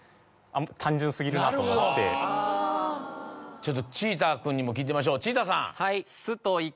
ちょっとちーたー君にも聞いてみましょうちーたーさん。